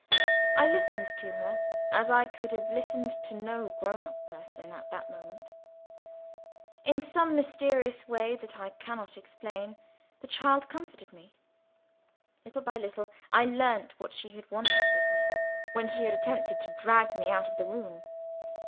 I listened to her as I could have listened to no grown up person at that moment. In some mysterious way that I cannot explain, the child comforted me. Little by little, I learnt what she had wanted with me, when she had attempted to drag me out of the room.